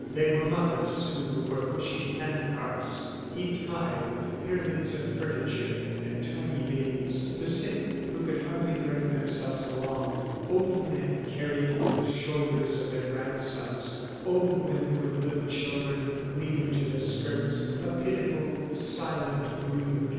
They were mothers who were pushing hand carts heaped high with pyramids of furniture and tiny babies, the sick who could hardly drag themselves along, old men carried on the shoulders of their grandsons, old women with little children clinging to their skirts a pitiful, silent brood.